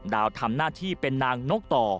ดาวทำหน้าที่เป็นนางนกต่อ